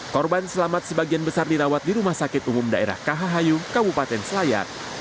korban selamat sebagian besar dirawat di rumah sakit umum daerah khyu kabupaten selayar